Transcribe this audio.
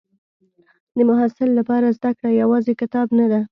د محصل لپاره زده کړه یوازې کتاب نه ده.